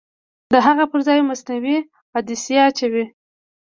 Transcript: د هغه پرځای مصنوعي عدسیه اچوي.